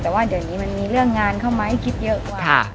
แต่ว่าเดี๋ยวนี้มันมีเรื่องงานเข้ามาให้คิดเยอะกว่า